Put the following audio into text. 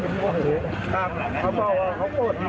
ต้องเขาบอกว่าเขาโกรธธิตรา